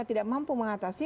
tidak mampu mengatasi